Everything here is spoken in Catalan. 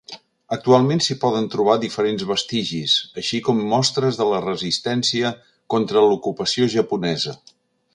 Actualment s'hi poden trobar diferents vestigis, així com mostres de la resistència contra l'ocupació japonesa.